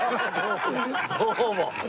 どうも。